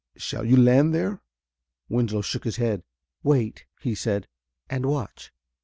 Shall you land there?" Winslow shook his head. "Wait," he said, "and watch."